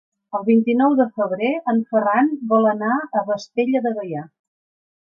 El vint-i-nou de febrer en Ferran vol anar a Vespella de Gaià.